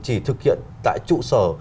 chỉ thực hiện tại trụ sở